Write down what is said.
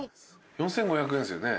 ４，５００円ですよね？